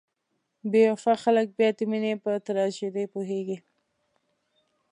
بې وفا خلک بیا د مینې په تراژیدۍ پوهیږي.